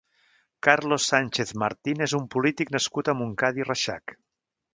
Carlos Sánchez Martín és un polític nascut a Montcada i Reixac.